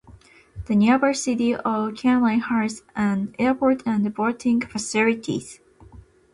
The nearby city of Kenai has an airport and boating facilities.